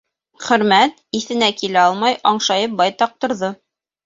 Хөрмәт, иҫенә килә алмай, аңшайып байтаҡ торҙо.